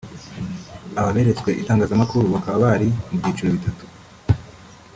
Aba beretswe itangazamakuru bakaba bari mu byiciro bitatu